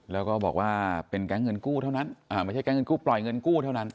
แล้วก็บอกว่าเป็นแก๊งเงินกู้เท่านั้นไม่ใช่แก๊งเงินกู้ปล่อยเงินกู้เท่านั้น